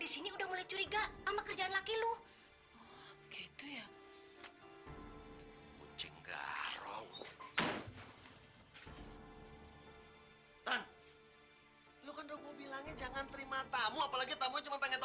sampai jumpa di video selanjutnya